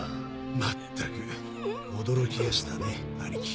まったく驚きやしたねアニキ。